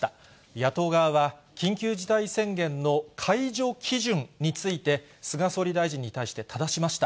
野党側は、緊急事態宣言の解除基準について、菅総理大臣に対してただしました。